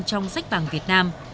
trong sách bằng việt nam